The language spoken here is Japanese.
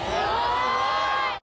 すごい。